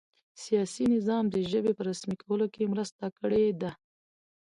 سیاسي نظام د ژبې په رسمي کولو کې مرسته کړې ده.